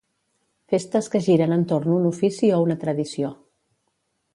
Festes que giren entorn un ofici o una tradició.